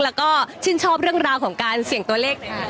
แล้วก็ชื่นชอบเรื่องราวของการเสี่ยงตัวเลข